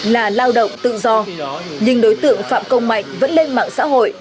là lao động tự do nhưng đối tượng phạm công mạnh vẫn lên mạng xã hội